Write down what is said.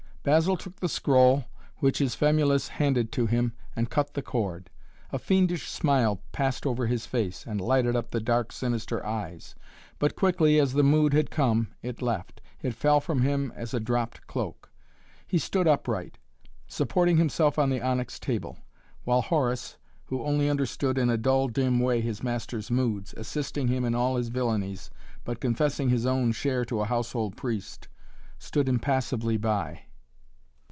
Basil took the scroll which his famulus handed to him and cut the cord. A fiendish smile passed over his face and lighted up the dark, sinister eyes. But quickly as the mood had come it left. It fell from him as a dropped cloak. He stood upright, supporting himself on the onyx table, while Horus, who only understood in a dull dim way his master's moods, assisting him in all his villainies, but confessing his own share to a household priest, stood impassively by.